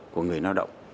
của người lao động